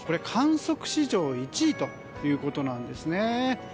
観測史上１位ということなんです。